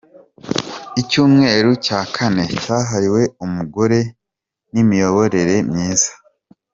Icyumweru cya kane cyahariwe umugore n’imiyoborere myiza.